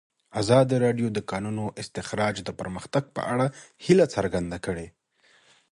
ازادي راډیو د د کانونو استخراج د پرمختګ په اړه هیله څرګنده کړې.